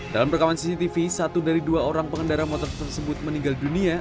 dalam rekaman cctv satu dari dua orang pengendara motor tersebut meninggal dunia